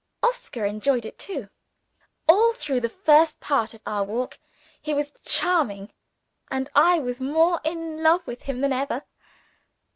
Oscar enjoyed it too. All through the first part of our walk, he was charming, and I was more in love with him than ever.